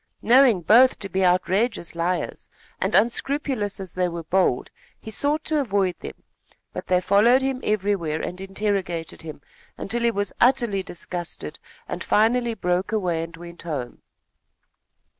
Knowing both to be outrageous liars, and unscrupulous as they were bold, he sought to avoid them; but they followed him everywhere and interrogated him, until he was utterly disgusted and finally broke away and went home.